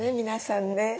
皆さんね。